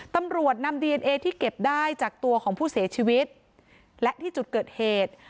ตำรวจนำดีเอนเอที่เก็บได้จากตัวของผู้เสียชีวิตและที่จุดเกิดเหตุ